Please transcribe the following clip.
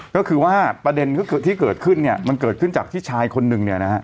ก็คือว่าประเด็นที่เกิดขึ้นเนี่ยมันเกิดขึ้นจากที่ชายคนหนึ่งเนี่ยนะฮะ